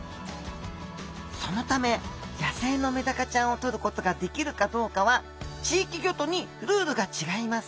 そのため野生のメダカちゃんをとることができるかどうかは地域ギョとにルールが違います。